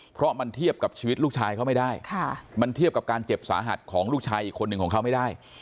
เพราะมันเทียบกับชีวิตลูกชายเขาไม่ได้มันเทียบกับการเจ็บสาหัสของลูกชายอีกคนหนึ่งของเขาไม่ได้